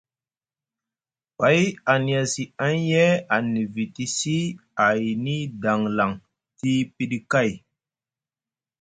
Pay a niyasi anye a nivitisi ayni danlaŋ tii piɗi kay.